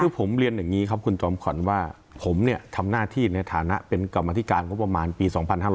คือผมเรียนอย่างนี้ครับคุณจอมขวัญว่าผมเนี่ยทำหน้าที่ในฐานะเป็นกรรมธิการงบประมาณปี๒๕๕๙